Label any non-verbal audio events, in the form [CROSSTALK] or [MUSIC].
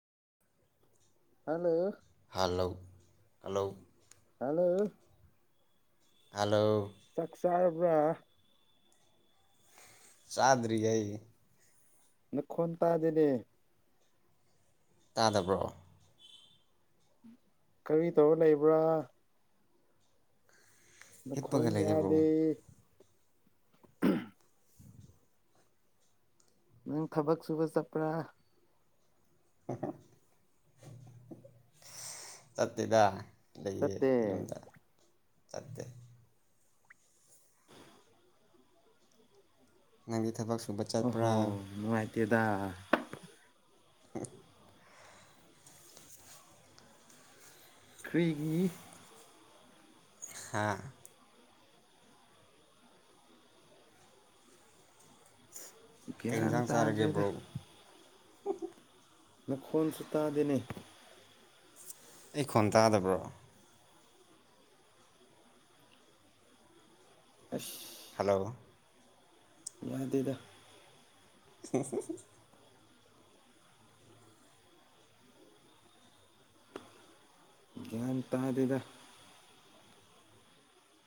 hello hello hello hello hello ꯆꯥꯛ ꯆꯔꯕꯔꯥ ꯆꯥꯗꯔ꯭ꯤꯌꯦ ꯇꯥꯗꯔ꯭ꯤ ꯇꯥꯗꯕꯔꯣ ꯀꯔꯤ ꯇꯧꯔ ꯂꯩꯕ꯭ꯔꯥ ꯅ ꯈꯣꯟ ꯍꯤꯞꯄꯒ ꯂꯩꯌꯦ ꯕ꯭ꯔꯣ ꯌꯥꯗꯦ ꯅꯪ ꯊꯕꯛ ꯁꯨꯕ ꯆꯠꯄ꯭ꯔꯥ ꯆꯠꯇꯦꯗꯥ ꯂꯩꯌꯦ ꯆꯠꯇꯦ ꯌꯨꯝꯗ ꯆꯠꯇꯦ ꯅꯪꯗꯤ ꯊꯕꯛ ꯁꯨꯕꯠ ꯑꯣꯍꯣ ꯅꯨꯡꯉꯥꯏꯇꯦꯗ ꯎꯟꯠ ꯀ꯭ꯔꯤꯒꯤ ꯍꯥꯥ ꯀꯩ ꯒ꯭ꯌꯥꯟ ꯏꯟꯁꯥꯡ ꯆꯥꯔꯒꯦ ꯇꯥꯗ꯭ꯔꯦꯗ ꯕ꯭ꯔꯣ ꯅꯈꯣꯟꯁꯨ ꯇꯥꯗꯦꯅꯦ ꯑꯩ ꯈꯣꯟ ꯇꯥꯗꯕ꯭ꯔꯣ ꯑꯁ ꯍꯜꯂꯣ ꯌꯥꯗꯦꯗ ꯏꯍꯤ ꯍꯤ [UNINTELLIGIBLE] ꯒ꯭ꯌꯥꯟ ꯇꯥꯗꯦꯗꯥ